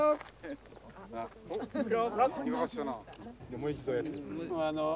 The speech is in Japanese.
もう一度やってみて。